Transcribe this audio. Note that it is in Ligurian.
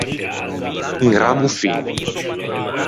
Un rammo fin.